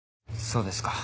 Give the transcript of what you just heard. そうですか。